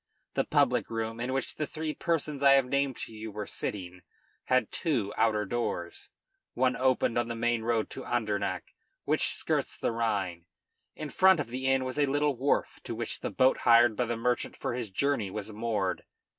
The public room in which the three persons I have named to you were sitting, had two outer doors. One opened on the main road to Andernach, which skirts the Rhine. In front of the inn was a little wharf, to which the boat hired by the merchant for his journey was moored.